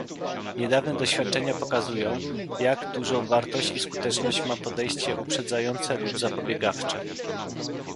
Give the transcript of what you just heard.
Niedawne doświadczenia pokazują, jak dużą wartość i skuteczność ma podejście uprzedzające lub zapobiegawcze